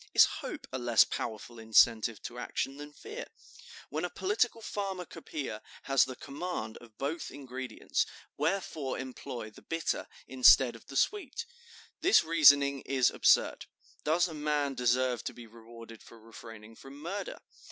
Is hope a less powerful incentive to action than fear? When a political pharmacopoeia has the command of both ingredients, wherefore employ the bitter instead of the sweet?' This reasoning is absurd. Does a man deserve to be rewarded for refraining from murder?